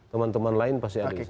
teman teman lain pasti ada yang